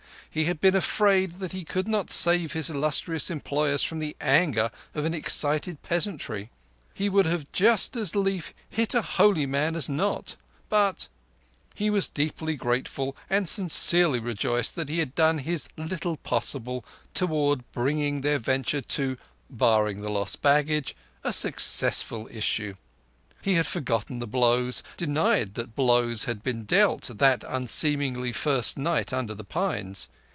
He had been afraid that he could not save his illustrious employers from the anger of an excited peasantry. He himself would just as lief hit a holy man as not, but ... He was deeply grateful and sincerely rejoiced that he had done his "little possible" towards bringing their venture to—barring the lost baggage—a successful issue, he had forgotten the blows; denied that any blows had been dealt that unseemly first night under the pines.